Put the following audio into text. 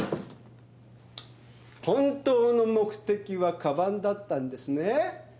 本当の目的は鞄だったんですね？